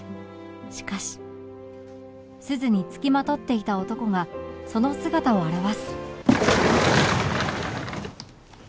しかし鈴に付きまとっていた男がその姿を現す